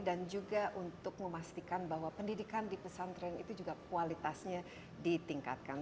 dan juga untuk memastikan bahwa pendidikan di pesantren itu juga kualitasnya ditingkatkan